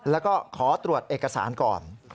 แล้วก็ขอตรวจเอกสารก่อน